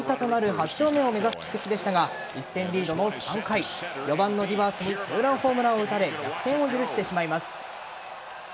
８勝目を目指す菊池でしたが１点リードの３回４番のディバースに２ランホームランを打たれ逆転を許してしまいます。